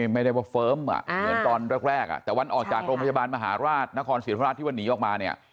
ไม่ได้ว่าเฟิร์มเหมือนตอนแรกแต่วันออกจากโรงพยาบาลมหาราชนครศรีธรรมราชที่วันนี้ออกมาเนี่ย